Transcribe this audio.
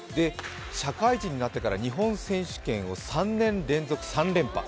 社会人になってから日本選手権を３年連続３連覇。